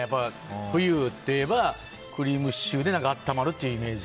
冬といえば、クリームシチューであったまるというイメージ。